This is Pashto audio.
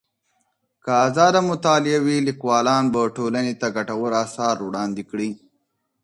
که ازاده مطالعه وي، ليکوالان به ټولني ته ګټور اثار وړاندې کړي.